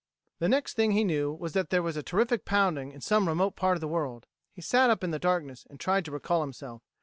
The next thing he knew was that there was a terrific pounding in some remote part of the world. He sat up in the darkness and tried to recall himself.